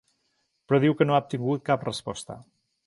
Però diu que no ha obtingut cap resposta.